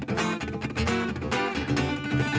แล้วจะสองคน